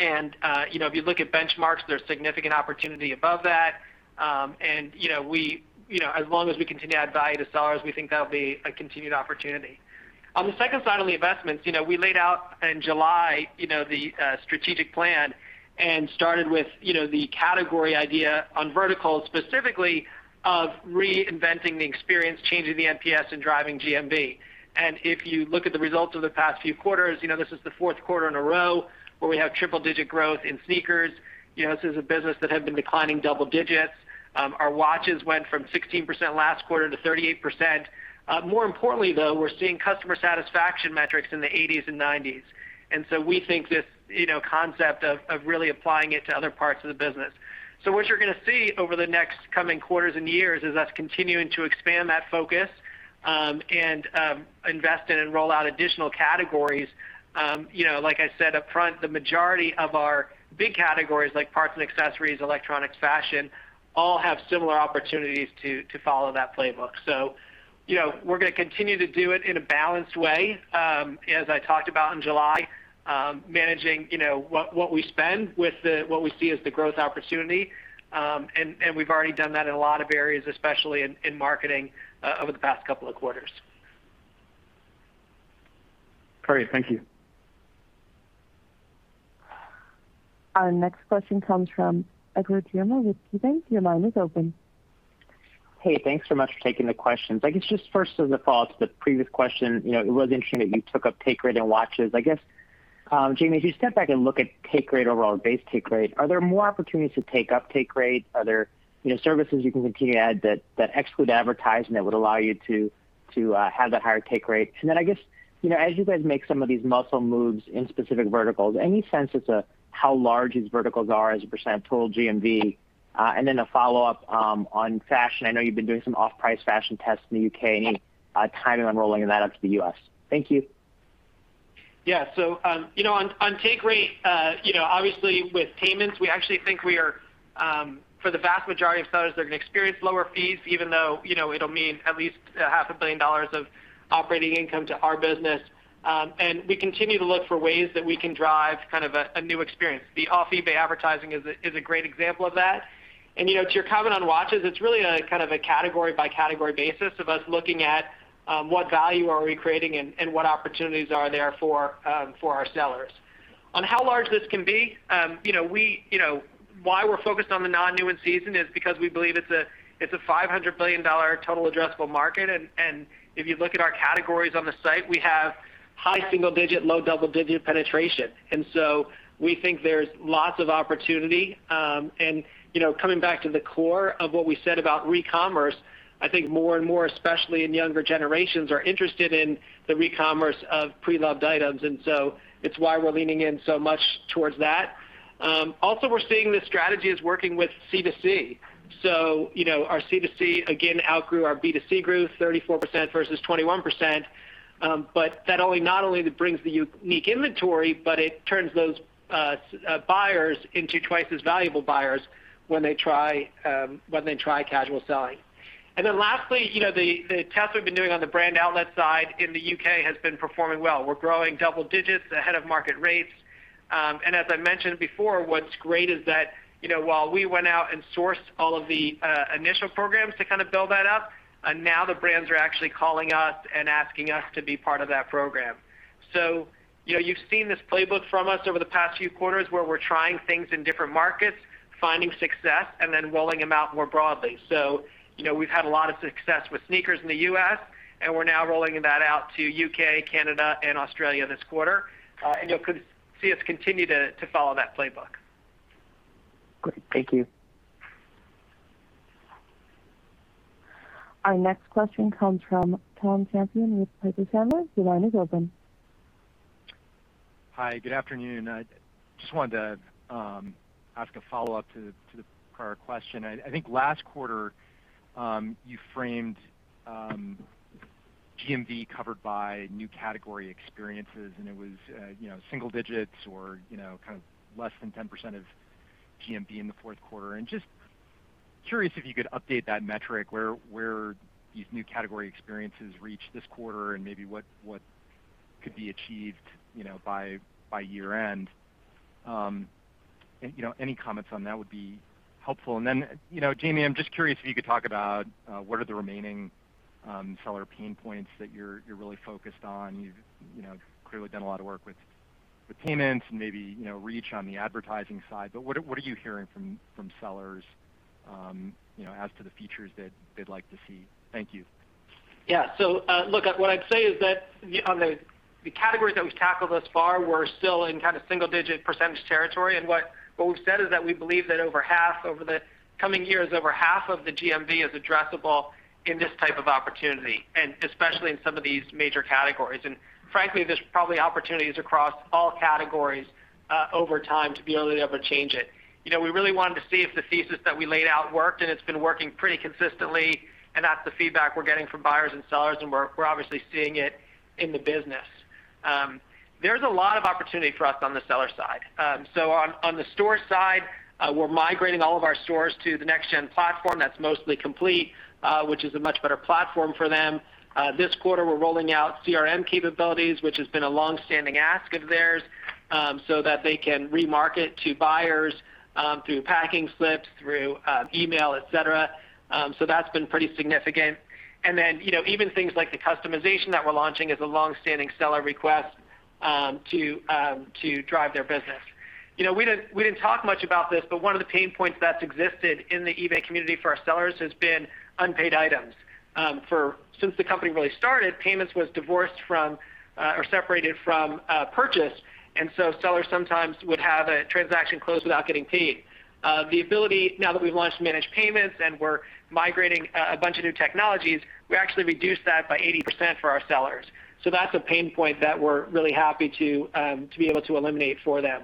If you look at benchmarks, there's significant opportunity above that. As long as we continue to add value to sellers, we think that'll be a continued opportunity. On the second side on the investments, we laid out in July the strategic plan and started with the category idea on verticals specifically of reinventing the experience, changing the NPS and driving GMV. If you look at the results of the past few quarters, this is the fourth quarter in a row where we have triple-digit growth in sneakers. This is a business that had been declining double digits. Our watches went from 16% last quarter to 38%. More importantly, though, we're seeing customer satisfaction metrics in the 80s and 90s. We think this concept of really applying it to other parts of the business. What you're going to see over the next coming quarters and years is us continuing to expand that focus, and invest in and roll out additional categories. Like I said up front, the majority of our big categories, like parts and accessories, electronics, fashion, all have similar opportunities to follow that playbook. We're going to continue to do it in a balanced way. As I talked about in July, managing what we spend with what we see as the growth opportunity. We've already done that in a lot of areas, especially in marketing over the past couple of quarters. Great. Thank you. Our next question comes from Edward Yruma with KeyBanc. Your line is open. Hey, thanks so much for taking the questions. I guess just first as a follow-up to the previous question, it was interesting that you took up take rate and watches. I guess, Jamie, if you step back and look at take rate overall and base take rate, are there more opportunities to take up take rate? Are there services you can continue to add that exclude advertising that would allow you to have that higher take rate? I guess, as you guys make some of these muscle moves in specific verticals, any sense as to how large these verticals are as a percent of total GMV? A follow-up on fashion. I know you've been doing some off-price fashion tests in the U.K. Any timing on rolling that out to the U.S.? Thank you. On take rate, obviously with payments, we actually think for the vast majority of sellers, they're going to experience lower fees, even though it'll mean at least half a billion dollars of operating income to our business. We continue to look for ways that we can drive kind of a new experience. The off-eBay advertising is a great example of that. To your comment on watches, it's really a kind of a category-by-category basis of us looking at what value are we creating and what opportunities are there for our sellers. On how large this can be, why we're focused on the non-new and in-season is because we believe it's a $500 billion total addressable market, and if you look at our categories on the site, we have high single-digit, low double-digit penetration. We think there's lots of opportunity. Coming back to the core of what we said about recommerce, I think more and more, especially in younger generations, are interested in the recommerce of pre-loved items, and so it's why we're leaning in so much towards that. Also, we're seeing the strategies working with C2C. Our C2C, again, outgrew our B2C growth, 34% versus 21%, but that not only brings the unique inventory, but it turns those buyers into twice as valuable buyers when they try casual selling. Lastly, the tests we've been doing on the brand outlet side in the U.K. has been performing well. We're growing double digits ahead of market rates. As I mentioned before, what's great is that, while we went out and sourced all of the initial programs to kind of build that up, now the brands are actually calling us and asking us to be part of that program. You've seen this playbook from us over the past few quarters where we're trying things in different markets, finding success, and then rolling them out more broadly. We've had a lot of success with sneakers in the U.S., and we're now rolling that out to U.K., Canada and Australia this quarter. You'll see us continue to follow that playbook. Great. Thank you. Our next question comes from Tom Champion with Piper Sandler. Your line is open. Hi, good afternoon. I just wanted to ask a follow-up to the prior question. I think last quarter, you framed GMV covered by new category experiences, and it was single digits or kind of less than 10% of GMV in the fourth quarter. Just curious if you could update that metric, where these new category experiences reached this quarter and maybe what could be achieved by year-end. Any comments on that would be helpful. Jamie, I'm just curious if you could talk about, what are the remaining seller pain points that you're really focused on. You've clearly done a lot of work with payments and maybe reach on the advertising side, but what are you hearing from sellers as to the features that they'd like to see? Thank you. Look, what I'd say is that on the categories that we've tackled thus far, we're still in kind of single-digit % territory. What we've said is that we believe that over the coming years, over half of the GMV is addressable in this type of opportunity, and especially in some of these major categories. Frankly, there's probably opportunities across all categories, over time, to be able to change it. We really wanted to see if the thesis that we laid out worked, and it's been working pretty consistently, and that's the feedback we're getting from buyers and sellers, and we're obviously seeing it in the business. There's a lot of opportunity for us on the seller side. On the store side, we're migrating all of our stores to the next-gen platform that's mostly complete, which is a much better platform for them. This quarter, we're rolling out CRM capabilities, which has been a longstanding ask of theirs, so that they can remarket to buyers through packing slips, through email, et cetera. That's been pretty significant. Even things like the customization that we're launching is a longstanding seller request to drive their business. We didn't talk much about this, but one of the pain points that's existed in the eBay community for our sellers has been unpaid items. Since the company really started, payments was divorced from or separated from purchase, and so sellers sometimes would have a transaction closed without getting paid. The ability, now that we've launched managed payments and we're migrating a bunch of new technologies, we actually reduced that by 80% for our sellers. That's a pain point that we're really happy to be able to eliminate for them.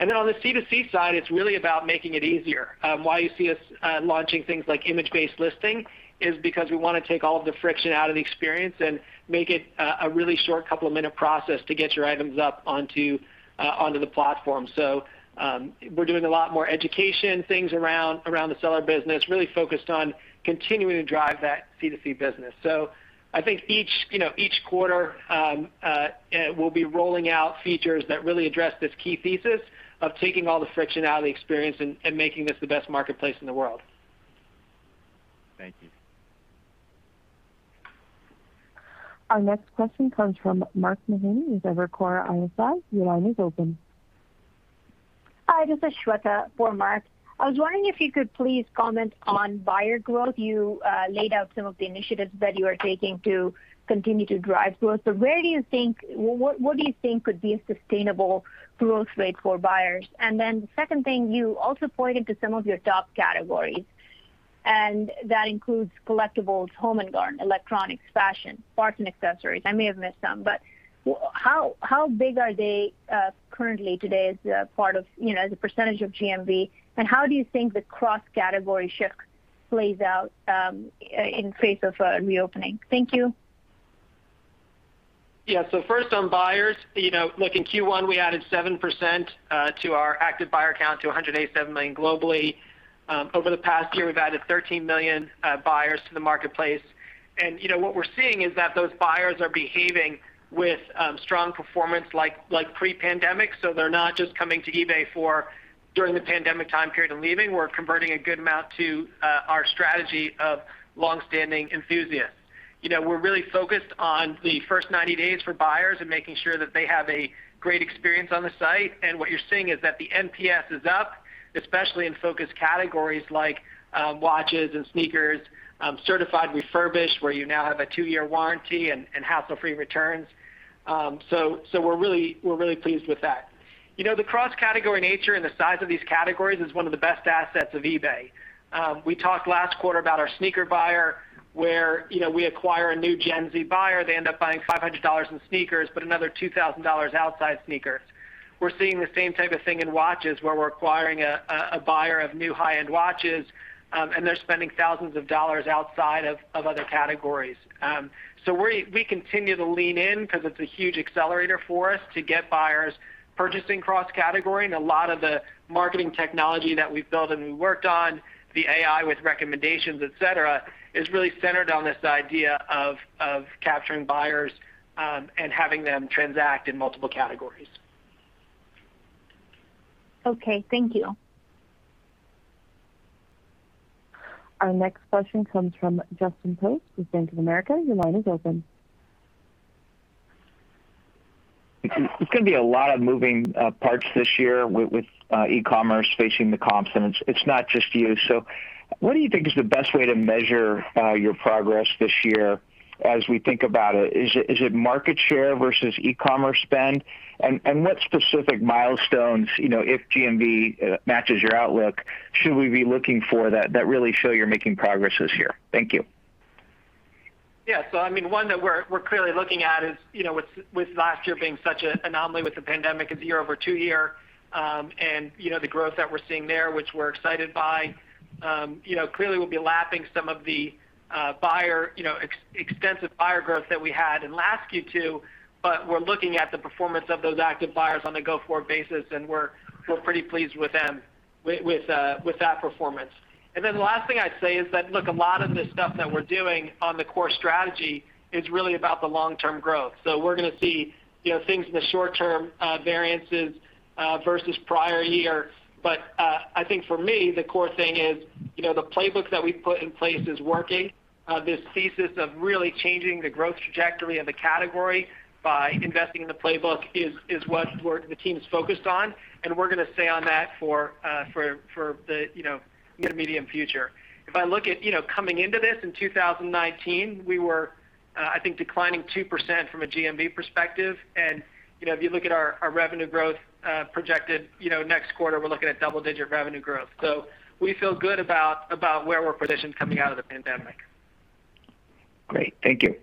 On the C2C side, it's really about making it easier. Why you see us launching things like image-based listing is because we want to take all of the friction out of the experience and make it a really short couple of minute process to get your items up onto the platform. We're doing a lot more education things around the seller business, really focused on continuing to drive that C2C business. I think each quarter, we'll be rolling out features that really address this key thesis of taking all the friction out of the experience and making this the best marketplace in the world. Thank you. Our next question comes from Mark Mahaney with Evercore ISI. Your line is open. Hi, this is Shweta for Mark. I was wondering if you could please comment on buyer growth. You laid out some of the initiatives that you are taking to continue to drive growth. What do you think could be a sustainable growth rate for buyers? The second thing, you also pointed to some of your top categories, and that includes collectibles, home and garden, electronics, fashion, sports and accessories. I may have missed some, but how big are they currently today as a percentage of GMV, and how do you think the cross-category shift plays out in face of a reopening? Thank you. Yeah. First on buyers, look, in Q1, we added 7% to our active buyer count to 187 million globally. Over the past year, we've added 13 million buyers to the marketplace. What we're seeing is that those buyers are behaving with strong performance like pre-pandemic. They're not just coming to eBay during the pandemic time period and leaving. We're converting a good amount to our strategy of longstanding enthusiasts. We're really focused on the first 90 days for buyers and making sure that they have a great experience on the site. What you're seeing is that the NPS is up, especially in focus categories like watches and sneakers, certified refurbished, where you now have a two year warranty and hassle-free returns. We're really pleased with that. The cross-category nature and the size of these categories is one of the best assets of eBay. We talked last quarter about our sneaker buyer, where we acquire a new Gen Z buyer. They end up buying $500 in sneakers, but another $2,000 outside sneakers. We're seeing the same type of thing in watches, where we're acquiring a buyer of new high-end watches, and they're spending thousands of dollars outside of other categories. We continue to lean in because it's a huge accelerator for us to get buyers purchasing cross-category. A lot of the marketing technology that we've built and we worked on, the AI with recommendations, et cetera, is really centered on this idea of capturing buyers, and having them transact in multiple categories. Okay, thank you. Our next question comes from Justin Post with Bank of America. Your line is open. It's going to be a lot of moving parts this year with e-commerce facing the comps, and it's not just you. What do you think is the best way to measure your progress this year as we think about it? Is it market share versus e-commerce spend? What specific milestones, if GMV matches your outlook, should we be looking for that really show you're making progress this year? Thank you. One that we're clearly looking at is with last year being such an anomaly with the pandemic, is year over two year. The growth that we're seeing there, which we're excited by. Clearly, we'll be lapping some of the extensive buyer growth that we had in last Q2, but we're looking at the performance of those active buyers on a go-forward basis, and we're pretty pleased with that performance. The last thing I'd say is that, look, a lot of the stuff that we're doing on the core strategy is really about the long-term growth. We're going to see things in the short term, variances versus prior year. I think for me, the core thing is the playbook that we've put in place is working. This thesis of really changing the growth trajectory of the category by investing in the playbook is what the team is focused on, and we're going to stay on that for the medium future. If I look at coming into this in 2019, we were, I think, declining 2% from a GMV perspective. If you look at our revenue growth projected next quarter, we're looking at double-digit revenue growth. We feel good about where we're positioned coming out of the pandemic. Great. Thank you.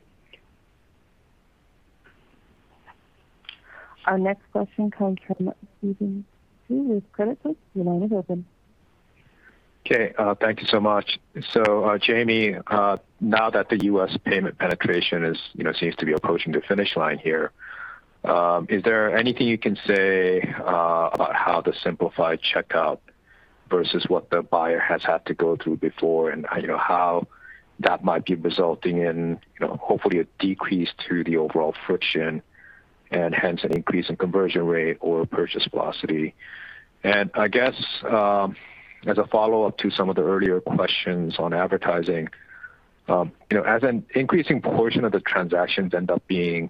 Our next question comes from Stephen Ju with Credit Suisse. Your line is open. Thank you so much. Jamie, now that the U.S. payment penetration seems to be approaching the finish line here, is there anything you can say about how the simplified checkout versus what the buyer has had to go through before and how that might be resulting in hopefully a decrease to the overall friction and hence an increase in conversion rate or purchase velocity? I guess, as a follow-up to some of the earlier questions on advertising, as an increasing portion of the transactions end up being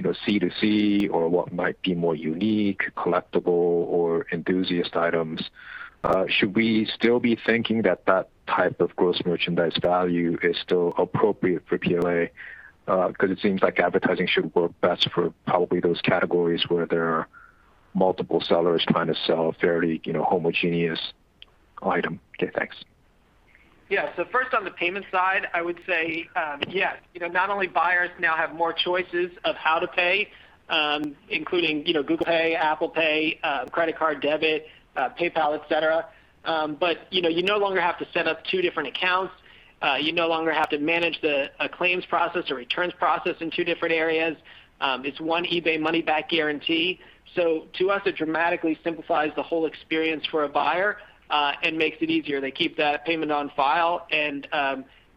C2C or what might be more unique, collectible, or enthusiast items, should we still be thinking that type of gross merchandise value is still appropriate for PLA? Because it seems like advertising should work best for probably those categories where there are multiple sellers trying to sell a fairly homogeneous item. Thanks. First on the payment side, I would say, yes. Not only buyers now have more choices of how to pay, including Google Pay, Apple Pay, credit card, debit, PayPal, et cetera, you no longer have to set up two different accounts. You no longer have to manage a claims process or returns process in two different areas. It's one eBay money back guarantee. To us, it dramatically simplifies the whole experience for a buyer, and makes it easier. They keep that payment on file and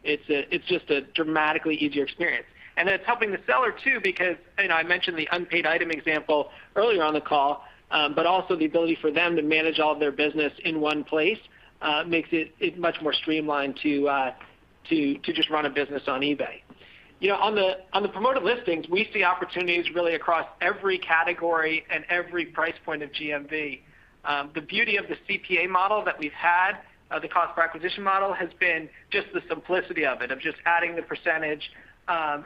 it's just a dramatically easier experience. It's helping the seller too, because I mentioned the unpaid item example earlier on the call, also the ability for them to manage all of their business in one place, makes it much more streamlined to just run a business on eBay. On the promoted listings, we see opportunities really across every category and every price point of GMV. The beauty of the CPA model that we've had, the cost per acquisition model, has been just the simplicity of it, of just adding the %,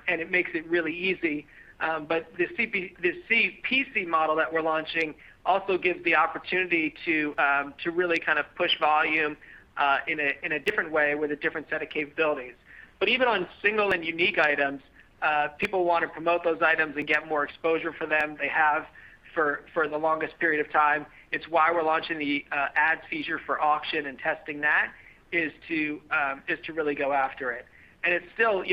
and it makes it really easy. The CPC model that we're launching also gives the opportunity to really kind of push volume in a different way with a different set of capabilities. Even on single and unique items, people want to promote those items and get more exposure for them. They have for the longest period of time. It's why we're launching the ads feature for auction and testing that, is to really go after it. We still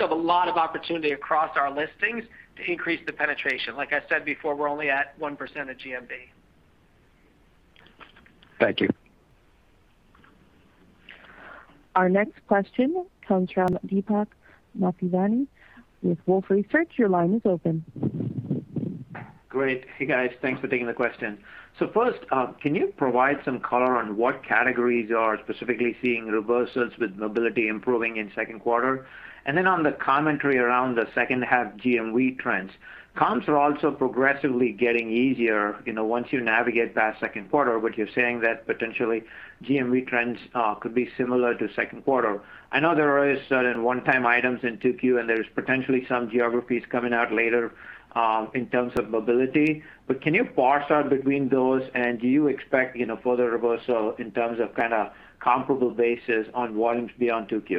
have a lot of opportunity across our listings to increase the penetration. Like I said before, we're only at 1% of GMV. Thank you. Our next question comes from Deepak Mathivanan with Wolfe Research. Your line is open. Great. Hey, guys. Thanks for taking the question. First, can you provide some color on what categories you are specifically seeing reversals with mobility improving in second quarter? On the commentary around the second half GMV trends, comps are also progressively getting easier once you navigate past second quarter. You're saying that potentially GMV trends could be similar to second quarter. I know there is certain one-time items in 2-Q, and there's potentially some geographies coming out later in terms of mobility. Can you parse out between those, and do you expect further reversal in terms of comparable basis on one beyond 2-Q?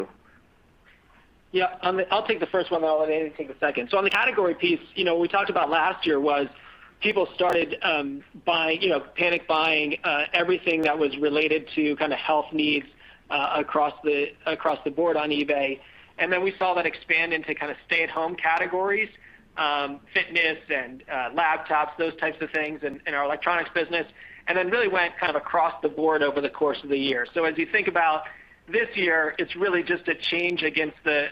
Yeah. I'll take the first one, then I'll let Andy take the second. On the category piece, what we talked about last year was people started panic buying everything that was related to health needs across the board on eBay. We saw that expand into stay-at-home categories, fitness and laptops, those types of things in our electronics business, and then really went across the board over the course of the year. As you think about this year, it's really just a change against the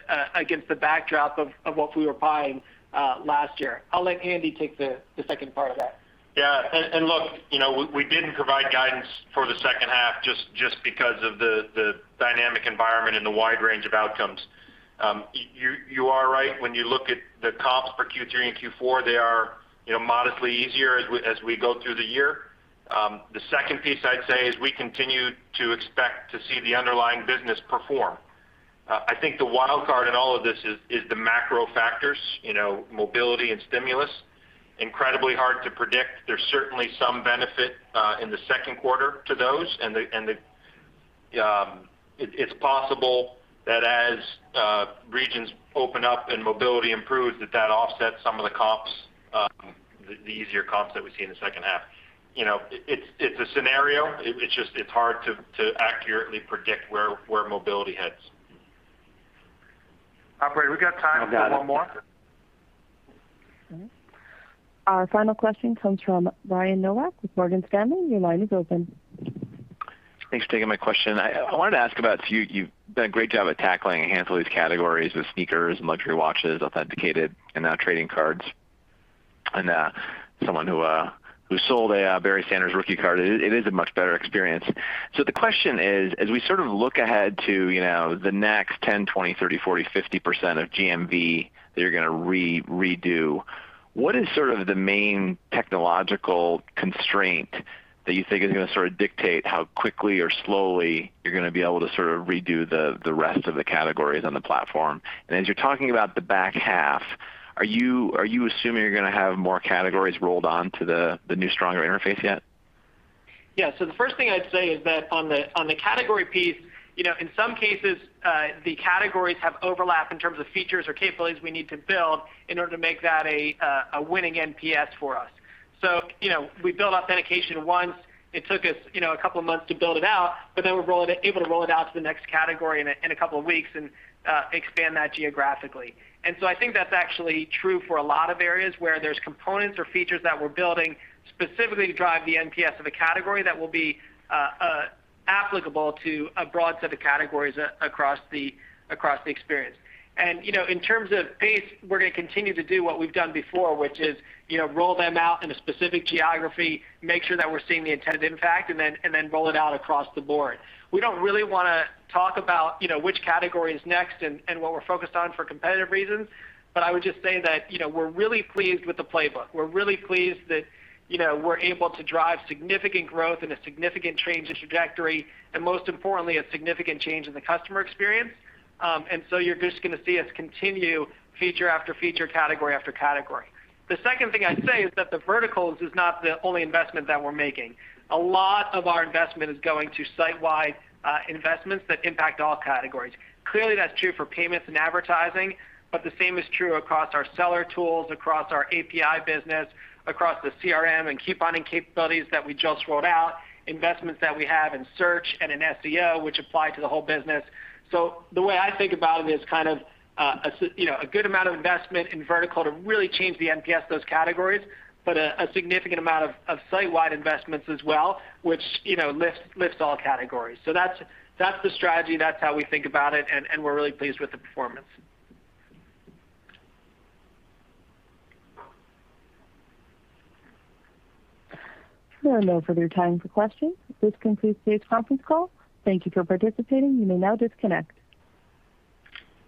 backdrop of what we were buying last year. I'll let Andy take the second part of that. Yeah. Look, we didn't provide guidance for the second half just because of the dynamic environment and the wide range of outcomes. You are right when you look at the comps for Q3 and Q4, they are modestly easier as we go through the year. The second piece I'd say is we continue to expect to see the underlying business perform. I think the wildcard in all of this is the macro factors, mobility and stimulus. Incredibly hard to predict. There's certainly some benefit in the second quarter to those, and it's possible that as regions open up and mobility improves, that that offsets some of the comps, the easier comps that we see in the second half. It's a scenario, it's just hard to accurately predict where mobility heads. Operator, we've got time for one more? Our final question comes from Brian Nowak with Morgan Stanley. Your line is open. Thanks for taking my question. I wanted to ask about, you've done a great job at tackling a handful of these categories with sneakers and luxury watches, authenticated and now trading cards. As someone who sold a Barry Sanders rookie card, it is a much better experience. The question is, as we sort of look ahead to the next 10%, 20%, 30%, 40%, 50% of GMV that you're going to redo, what is sort of the main technological constraint that you think is going to sort of dictate how quickly or slowly you're going to be able to sort of redo the rest of the categories on the platform? As you're talking about the back half, are you assuming you're going to have more categories rolled on to the new stronger interface yet? The first thing I'd say is that on the category piece, in some cases, the categories have overlap in terms of features or capabilities we need to build in order to make that a winning NPS for us. We built authentication once. It took us a couple of months to build it out, but then we're able to roll it out to the next category in a couple of weeks and expand that geographically. I think that's actually true for a lot of areas where there's components or features that we're building specifically to drive the NPS of a category that will be applicable to a broad set of categories across the experience. In terms of pace, we're going to continue to do what we've done before, which is roll them out in a specific geography, make sure that we're seeing the intended impact, and then roll it out across the board. We don't really want to talk about which category is next and what we're focused on for competitive reasons. I would just say that we're really pleased with the playbook. We're really pleased that we're able to drive significant growth and a significant change in trajectory, and most importantly, a significant change in the customer experience. You're just going to see us continue feature after feature, category after category. The second thing I'd say is that the verticals is not the only investment that we're making. A lot of our investment is going to site-wide investments that impact all categories. That's true for payments and advertising, but the same is true across our seller tools, across our API business, across the CRM and keep finding capabilities that we just rolled out, investments that we have in search and in SEO, which apply to the whole business. The way I think about it is kind of a good amount of investment in vertical to really change the NPS of those categories, but a significant amount of site-wide investments as well, which lifts all categories. That's the strategy. That's how we think about it, and we're really pleased with the performance. There are no further time for questions. This concludes today's conference call. Thank you for participating. You may now disconnect.